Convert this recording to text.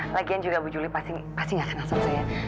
lagian juga bu juli pasti nggak kena sose ya